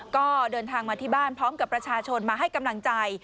ก็เดินทางมาที่บ้านพร้อมกับประชาชนมาให้กำลังใจ